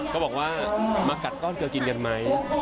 ก็บอกว่ามากัดก้อนเกลือกินกันไหม